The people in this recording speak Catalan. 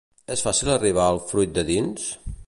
És fàcil arribar al fruit de dins?